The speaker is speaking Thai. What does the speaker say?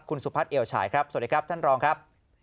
คุณสุพัฒน์เอวฉายครับสวัสดีครับท่านรองครับ